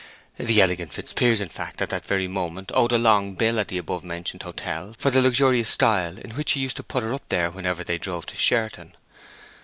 The elegant Fitzpiers, in fact, at that very moment owed a long bill at the above mentioned hotel for the luxurious style in which he used to put her up there whenever they drove to Sherton.